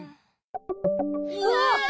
☎うわ！